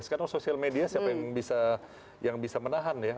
sekarang sosial media siapa yang bisa menahan ya